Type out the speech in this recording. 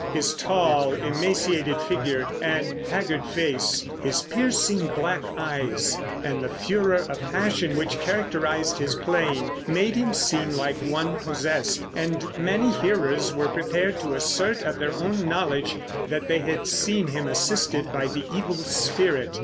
His tall, emaciated figure and haggard face, his piercing black eyes and the furor of passion which characterized his playing, made him seem like one possessed, and many hearers were prepared to assert of their own knowledge that they had seen him assisted by the Evil Spirit.